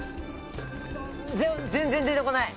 全然出てこない！